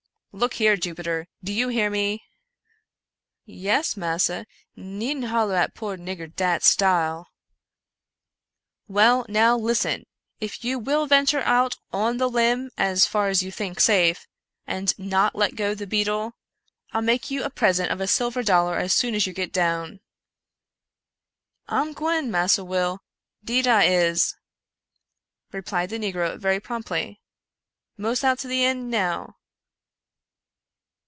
Look here, Jupiter, do you hear me ?"Yes, massa, needn't hollo at poor nigger dat style." " Well ! now listen !— if you will venture out on the limb as far as you think safe, and not let go the beetle, I'll make you a present of a silver dollar as soon as you get down." " I'm gwine, Massa Will — deed I is," replied the negro very promptly —" mos out to the eend now."